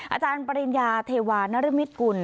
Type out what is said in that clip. อาจารย์ปริญญาเทวานรมิตกุล